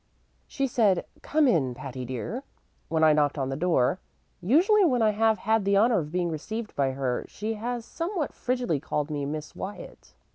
"She said, 'Come in, Patty dear,' when I knocked on the door. Usually when I have had the honor of being received by her she has somewhat frigidly called me 'Miss Wyatt.'